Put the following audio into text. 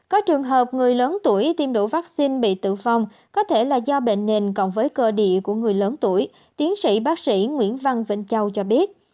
có trường hợp người lớn tuổi tiêm đủ vaccine bị tử vong có thể là do bệnh nền cộng với cơ địa của người lớn tuổi tiến sĩ bác sĩ nguyễn văn vĩnh châu cho biết